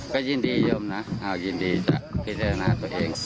ก็ยินดียมนะยินดีจะพิจารณาตัวเอง